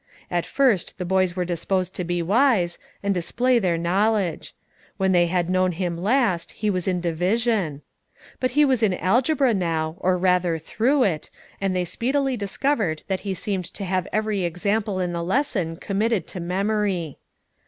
At first the boys were disposed to be wise, and display their knowledge; when they had known him last, he was in division. But he was in algebra now, or rather through it, and they speedily discovered that he seemed to have every example in the lesson committed to memory.